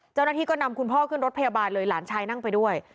เจ้าหน้าที่ก็นำคุณพ่อขึ้นรถพยาบาลเลยหลานชายนั่งไปด้วย